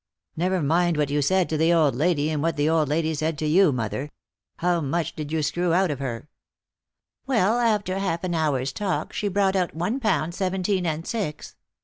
"" Never mind what you said to the old lady, and what the old lady said to you, mother. How much did you screw out of her P" " Well, after half an hour's talk, she brought out one pound seventeen and six.